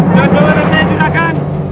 jangan jalan rasanya jurakan